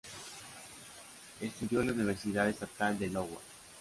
Estudió en la Universidad Estatal de Iowa.